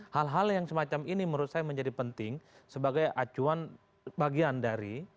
hal hal yang semacam ini menurut saya menjadi penting sebagai acuan bagian dari